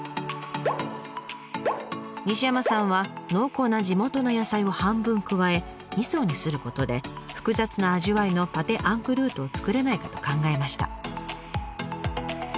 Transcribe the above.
西山さんは濃厚な地元の野菜を半分加え二層にすることで複雑な味わいのパテ・アンクルートを作れないかと考えました。